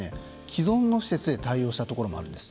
既存の施設で対応したところもあるんです。